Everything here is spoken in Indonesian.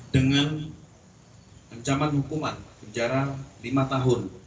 dengan ancaman hukuman penjara lima tahun